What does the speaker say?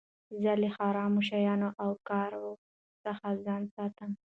زه له حرامو شيانو او کارو څخه ځان ساتم.